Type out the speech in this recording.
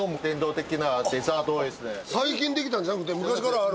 これは最近できたんじゃなくて昔からある？